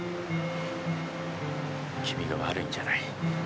君が悪いんじゃない。